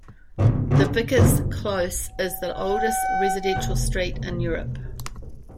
The Vicars' Close is the oldest residential street in Europe.